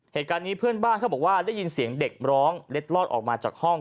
เหตุการณ์นี้เพื่อนบ้านเขาบอกว่าได้ยินเสียงเด็กร้องเล็ดลอดออกมาจากห้อง